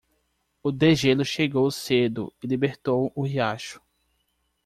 O degelo chegou cedo e libertou o riacho.